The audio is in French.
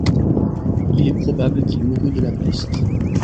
Il est probable qu'il mourut de la peste.